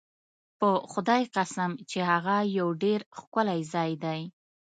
په خدای قسم چې هغه یو ډېر ښکلی ځای دی.